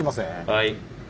はい。